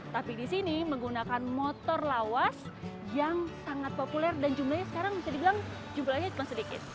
tapi di sini menggunakan motor lawas yang sangat populer dan jumlahnya sekarang bisa dibilang jumlahnya cuma sedikit